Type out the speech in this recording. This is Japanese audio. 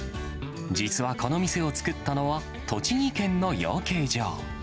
実はこの店を作ったのは栃木県の養鶏場。